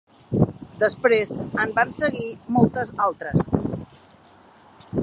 Després en van seguir moltes altres.